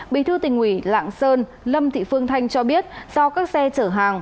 bị thư tình ủy lạng sơn lâm thị phương thanh cho biết do các xe chở hàng